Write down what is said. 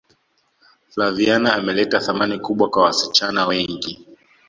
flaviana ameleta thamani kubwa kwa wasichana wengi